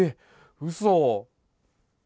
うそ！？